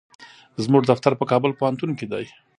زموږ دفتر په کابل پوهنتون کې دی.